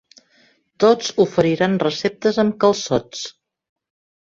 Tots oferiran receptes amb calçots.